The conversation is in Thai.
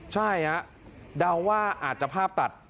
ใช่ฮะเดาว่าอาจจะภาพตัด